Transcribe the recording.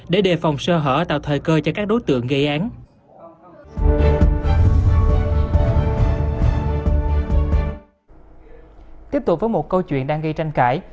tiếp tục với một câu chuyện đang gây tranh cãi